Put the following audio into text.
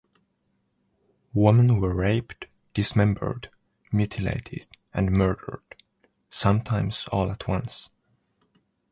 Women were raped, dismembered, mutilated, and murdered, sometimes all at once.